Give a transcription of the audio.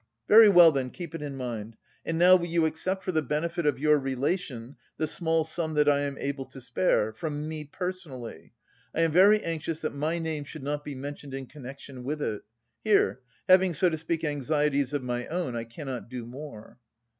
"Very well, then, keep it in mind; and now will you accept for the benefit of your relation the small sum that I am able to spare, from me personally. I am very anxious that my name should not be mentioned in connection with it. Here... having so to speak anxieties of my own, I cannot do more..."